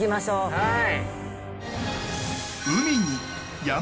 はい。